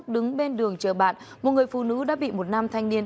đứng bên đường chờ bạn một người phụ nữ đã bị một nam thanh niên